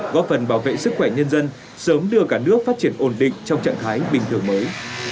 góp phần bảo vệ sức khỏe nhân dân sớm đưa cả nước phát triển ổn định trong trạng thái bình thường mới